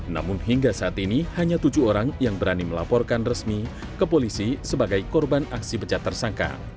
namun hingga saat ini hanya tujuh orang yang berani melaporkan resmi ke polisi sebagai korban aksi bejat tersangka